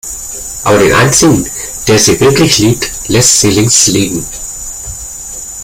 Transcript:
Aber den einzigen, der sie wirklich liebt, lässt sie links liegen.